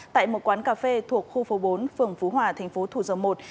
tại một quán cà phê thuộc khu phố bốn phường phú hòa thành phố thủ dầu một